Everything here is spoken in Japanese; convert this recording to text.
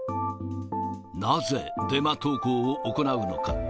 なぜデマ投稿を行うのか。